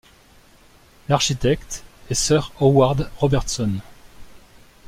L'architecte est Sir Howard Robertson.